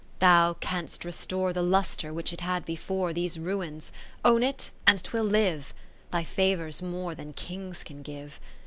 Thou canst restore The lustre which it had before These ruins ; own it, and 'twill live ; Thy favour 's more than Kings can give.